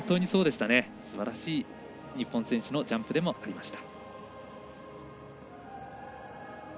すばらしい日本選手のジャンプでもありました。